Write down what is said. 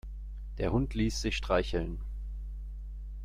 Der Hund ließ sich streicheln.